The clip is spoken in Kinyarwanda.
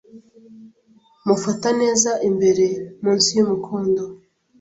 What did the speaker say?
mufata neza imbere munsi y'umukondo